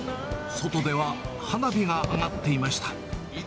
外では花火が上がっていました。